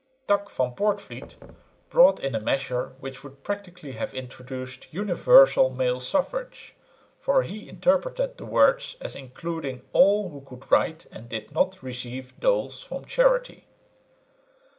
Tak van Poortvliet brought in a measure which would practically have introduced universal male suffrage, for he interpreted the words as including all who could write and did not receive doles from charity.